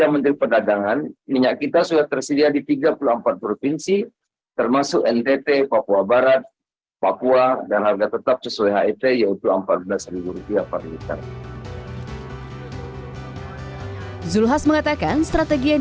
menteri perdagangan zulkifli hasan